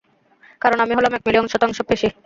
কারণ আমি হলাম এক মিলিয়ন শতাংশ পেশী।